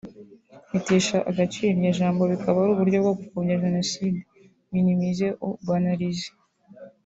bitesha agaciro iryo jambo bikaba ari uburyo bwo gupfobya Jenoside (minimiser ou banaliser)